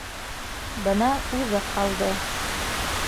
Бына... үҙе ҡалды.